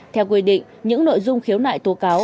theo quy định những nội dung khiếu nại tố cáo